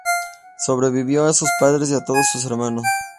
Sobrevivió a sus padres y a todos sus hermanos.